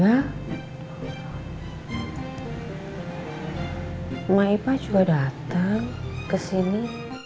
iya maipa juga datang kesini